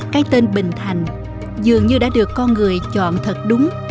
cái tên bình thành dường như đã được con người chọn thật đúng